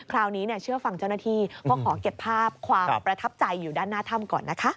คราวนี้เชื่อฟังเจ้าหน้าที่ก็ขอเก็บภาพความประทับใจอยู่ด้านหน้าถ้ำก่อนนะคะ